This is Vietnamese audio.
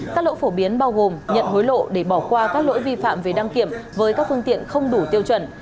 các lỗi phổ biến bao gồm nhận hối lộ để bỏ qua các lỗi vi phạm về đăng kiểm với các phương tiện không đủ tiêu chuẩn